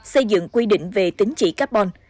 xây dựng quy định về tín chỉ carbon